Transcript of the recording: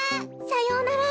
さようなら。